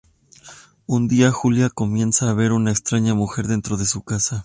Un día, Julia comienza a ver una extraña mujer dentro de su casa.